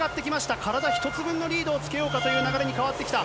体一つ分のリードをつけようかという流れに変わってきた。